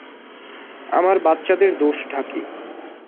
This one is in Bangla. আমার বাচ্চাদের দোষ ঢাকি।